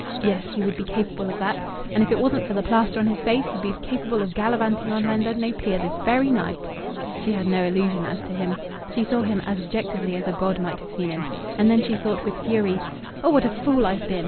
Yes, he would be capable of that. And if it wasn't for the plaster on his face, he'd be capable of gallivanting on Llandudno pier this very night!" She had no illusion as to him. She saw him as objectively as a god might have seen him. And then she thought with fury: "Oh, what a fool I've been!